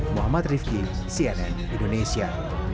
muhammad rifqi cnn indonesia